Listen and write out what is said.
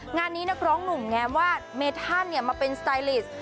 งานนี้นักร้องหนุ่มแง้มว่าเมธันมาเป็นสไตลิสต์